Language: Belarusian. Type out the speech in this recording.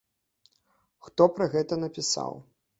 Хто пра гэта напісаў?